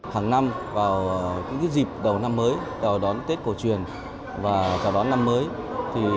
hàng năm vào dịp đầu năm mới đào đón tết cổ truyền và chào đón năm mới